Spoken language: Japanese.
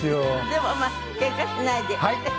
でもまあけんかしないで。